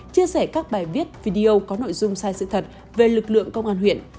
chia sẻ các bài viết video có nội dung sai sự thật về lực lượng công an huyện